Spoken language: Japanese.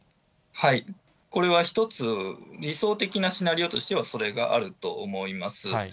これは１つ、理想的なシナリオとしてはそれがあると思います。